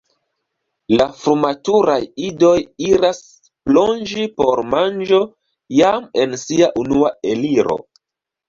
La frumaturaj idoj iras plonĝi por manĝo jam en sia unua eliro.